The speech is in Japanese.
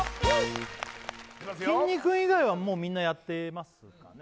きんに君以外はもうみんなやってますかね？